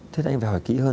thế thì anh phải hỏi kỹ hơn